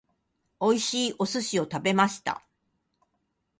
美味しいお寿司を食べました。